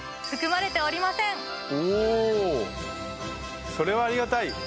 おぉそれはありがたい！